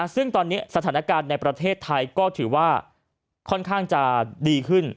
ซึ่งตอนนี้สถานการณ์ในประเทศไทยก็ถือว่าค่อนข้างจะดีขึ้น